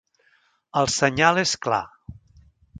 El senyal és clar.